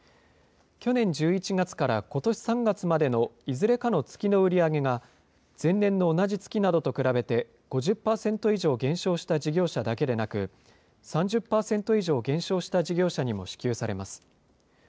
去年１１月からことし３月までのいずれかの月の売り上げが、前年の同じ月などと比べて５０％以上減少した事業者だけでなく、３０％以上減少した事業者にも支給されます。